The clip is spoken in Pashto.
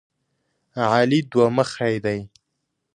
علي دوه مخی دی.